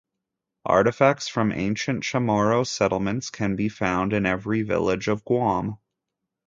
Artifacts from ancient Chamorro settlements can be found in every village of Guam.